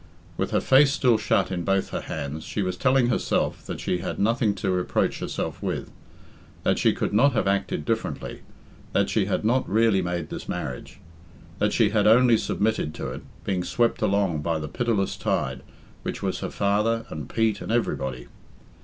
With her face still shut in both her hands, she was telling herself that she had nothing to reproach herself with; that she could not have acted differently; that she had not really made this marriage; that she had only submitted to it, being swept along by the pitiless tide, which was her father, and Pete, and everybody.